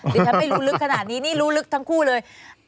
ฉันไม่รู้ลึกขนาดนี้นี่รู้ลึกทั้งคู่เลย